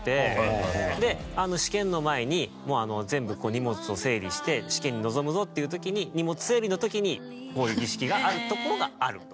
で試験の前にもう全部荷物を整理して試験に臨むぞっていう時に荷物整理の時にこういう儀式がある所があると。